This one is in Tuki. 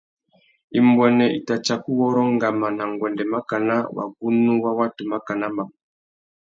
Imbuênê i tà tsaka uwôrrô ngama nà nguêndê makana wagunú wa watu makana mamú.